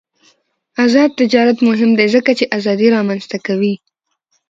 آزاد تجارت مهم دی ځکه چې ازادي رامنځته کوي.